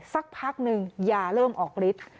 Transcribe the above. สักพักนึงยาเริ่มออกฤทธิ์